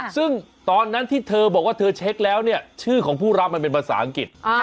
ซึ่งตอนนั้นที่เธอบอกว่าเธอเช็คแล้วเนี่ยชื่อของผู้รับมันเป็นภาษาอังกฤษ